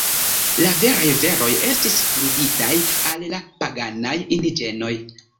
La veraj veroj estis truditaj al la paganaj indiĝenoj.